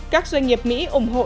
các doanh nghiệp mỹ ủng hộ